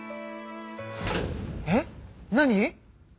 えっ何？